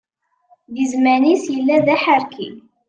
Di zzman-is yella d aḥerki.